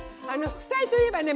副菜といえばね